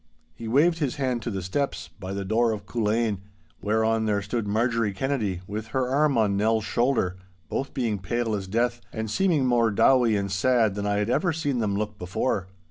He waved his hand to the steps, by the door of Culzean, whereon there stood Marjorie Kennedy, with her arm on Nell's shoulder, both being pale as death, and seeming more dowie and sad than I had ever seen them look before.